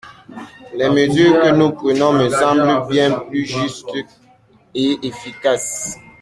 Les mesures que nous prenons me semblent bien plus justes et efficaces.